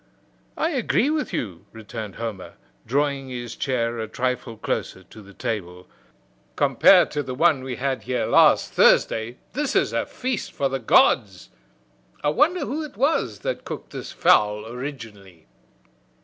"I agree with you," returned Homer, drawing his chair a trifle closer to the table. "Compared to the one we had here last Thursday, this is a feast for the gods. I wonder who it was that cooked this fowl originally?"